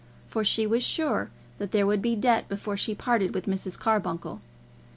For she was sure that there would be debt before she had parted with Mrs. Carbuncle.